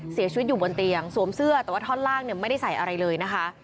เสียชีวิตอยู่บนเตียงสวมเสื้อแต่ว่าท่อนล่างเนี่ยไม่ได้ใส่อะไรเลยนะคะ